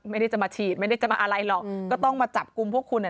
ไม่ได้จะมาฉีดไม่ได้จะมาอะไรหรอกก็ต้องมาจับกลุ่มพวกคุณอ่ะ